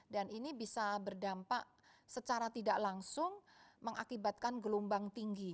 dan ini bisa berdampak secara tidak langsung mengakibatkan gelombang tinggi